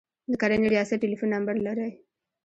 د کرنې ریاست ټلیفون نمبر لرئ؟